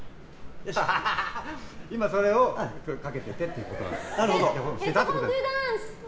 今、それをかけててってことなんです。